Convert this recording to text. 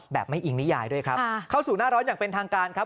แบบไม่อิงนิยายด้วยครับเข้าสู่หน้าร้อนอย่างเป็นทางการครับ